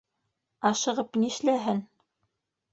Ашығып нишләһен?